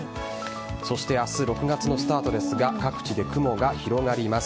そして、明日６月のスタートですが各地で雲が広がります。